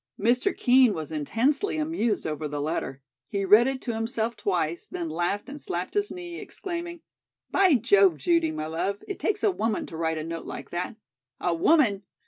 Mr. Kean was intensely amused over the letter. He read it to himself twice; then laughed and slapped his knee, exclaiming: "By Jove, Judy, my love, it takes a woman to write a note like that." "A woman?